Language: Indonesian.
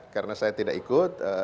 karena saya tidak ikut